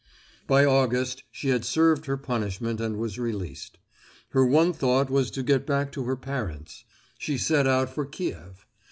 By August she had served her punishment and was released. Her one thought was to get back to her parents. She set out for Kiev.